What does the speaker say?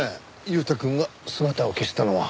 悠太くんが姿を消したのは。